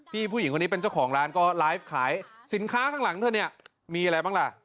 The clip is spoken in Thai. ผู้หญิงคนนี้เป็นเจ้าของร้านก็ไลฟ์ขายสินค้าข้างหลังเธอเนี่ยมีอะไรบ้างล่ะ